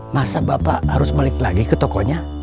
masa bapak harus balik lagi ke tokonya